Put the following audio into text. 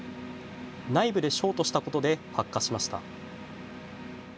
内部でショートしたことで発火しました。